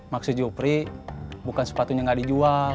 maksudnya bukan sepatunya gak dijual